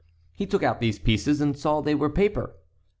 He took out these pieces, and saw that they were paper.